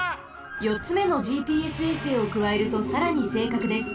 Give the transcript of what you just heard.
よっつめのＧＰＳ衛星をくわえるとさらにせいかくです。